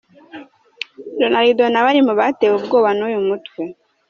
Ronaldo nawe ari mu batewe ubwoba n’uyu mutwe.